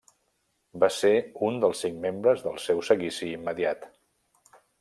Va ser un dels cinc membres del seu seguici immediat.